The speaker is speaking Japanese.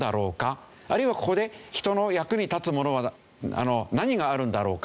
あるいはここで人の役に立つものは何があるんだろうか。